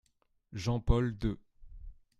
Jean-Paul deux.